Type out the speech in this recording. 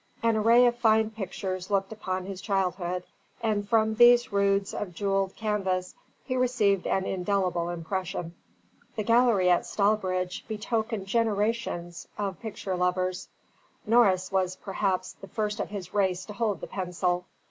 An array of fine pictures looked upon his childhood, and from these roods of jewelled canvas he received an indelible impression. The gallery at Stallbridge betokened generations of picture lovers; Norris was perhaps the first of his race to hold the pencil.